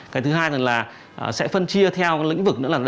cái thứ hai là sẽ phân chia theo lĩnh vực nữa